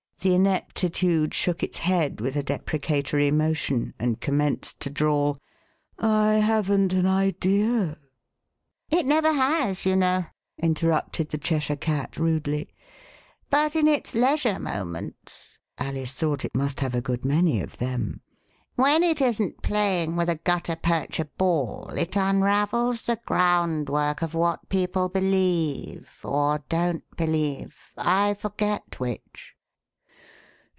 The Ineptitude shook its head with a deprecatory motion and commenced to drawl, I haven't an idea." 4 Alice in Downing Street " It never has, you know," interrupted the Cheshire Cat rudely, "but in its leisure moments" (Alice thought it must have a good many of them) " when it isn't playing with a gutta percha ball it unravels the groundwork of what people believe — or don't believe, I forget which."